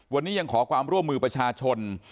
วันนี้ยังขอความร่วมมือประชาชน